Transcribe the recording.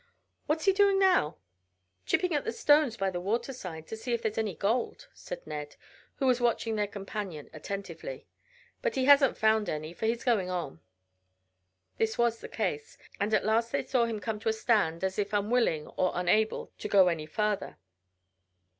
What's he doing now?" "Chipping at the stones by the water side to see if there's any gold," said Ned, who was watching their companion attentively. "But he hasn't found any, for he's going on." This was the case, and at last they saw him come to a stand as if unwilling, or unable, to go any farther.